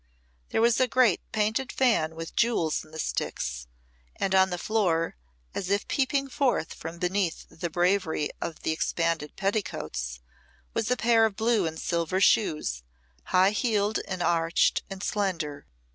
There was a great painted fan with jewels in the sticks, and on the floor as if peeping forth from beneath the bravery of the expanded petticoats was a pair of blue and silver shoes, high heeled and arched and slender.